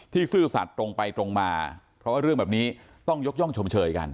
ซื่อสัตว์ตรงไปตรงมาเพราะว่าเรื่องแบบนี้ต้องยกย่องชมเชยกัน